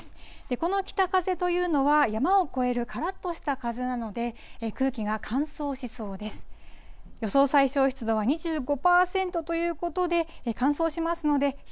この北風というのは、山を越えるからっとした風なので、空気が乾燥しそうです。